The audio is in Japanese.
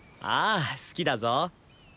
ああ好きだぞ。